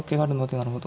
なるほど。